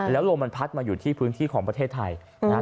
แล้วลมมันพัดมาอยู่ที่พื้นที่ของประเทศไทยนะครับ